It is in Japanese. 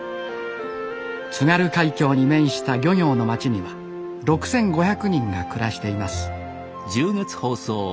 津軽海峡に面した漁業の町には６，５００人が暮らしています